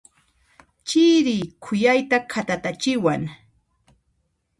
Chiri khuyayta khatatachiwan.